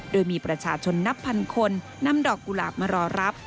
โดยมีประชาชนนับพันคนนำดอกกุหลาบมารอรับ